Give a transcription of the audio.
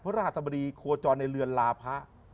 เพราะราศบดีโคจรในเรือนราภะ